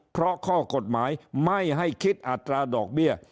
เพราะข้อกฎหมายไม่ให้คิดอัตราดอกเบี้ย